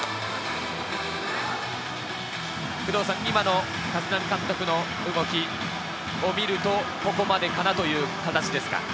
今の立浪監督の動きを見ると、ここまでかなという形ですか？